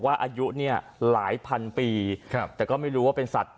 อายุเนี่ยหลายพันปีครับแต่ก็ไม่รู้ว่าเป็นสัตว